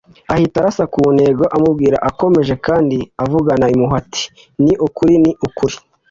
ahita arasa ku ntego, amubwira akomeje kandi avugana impuhwe ati, “Ni ukuri, ni ukuri,